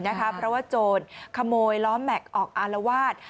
เพราะว่าโจรขโมยล้อแม็กซ์ออกอารวาส